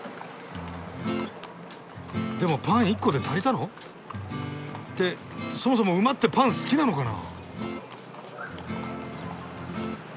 でもパン１個で足りたの？ってそもそも馬ってパン好きなのかな！？